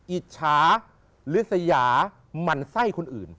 อิจฉาฤษยาหมั่นไส้คนอื่น